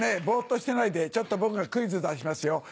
ボっとしてないでちょっと僕がクイズ出しますよ。